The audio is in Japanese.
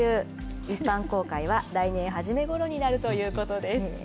一般公開は来年初めごろになるということです。